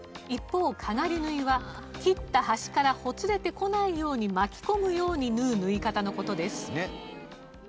一方かがり縫いは切った端からほつれてこないように巻き込むように縫う縫い方の事です。